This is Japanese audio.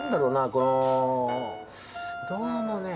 このどうもね